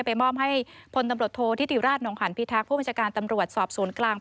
มอบให้พลตำรวจโทษธิติราชนองหันพิทักษ์ผู้บัญชาการตำรวจสอบสวนกลาง